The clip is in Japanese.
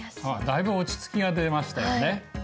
だいぶ落ち着きが出ましたよね。